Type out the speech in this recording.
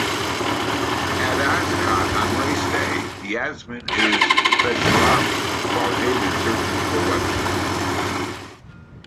At Ascot on race day, Yasmin is with Beshraavi, while David searches for Webster.